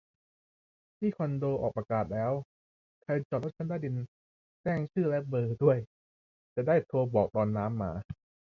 ที่คอนโดออกประกาศแล้ว ใครจอดรถชั้นใต้ดิน แจ้งชื่อและเบอร์ด้วย จะได้โทรบอกตอนน้ำมา